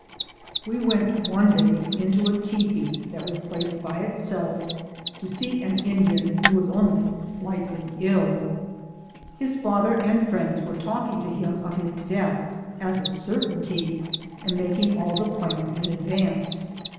We went one day into a tepee that was placed by it self to see an Indian who was only slightly ill. His father and friends were talking to him of his death as a certainty, and making all the plans in advance.